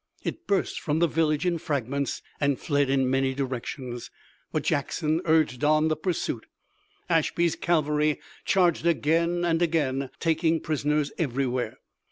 It burst from the village in fragments, and fled in many directions. But Jackson urged on the pursuit. Ashby's cavalry charged again and again, taking prisoners everywhere.